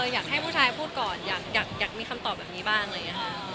อยากให้ผู้ชายพูดก่อนอยากมีคำตอบแบบนี้บ้างเลย